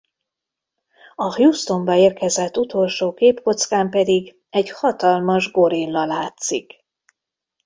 A Houstonba érkezett utolsó képkockán pedig egy hatalmas gorilla látszik.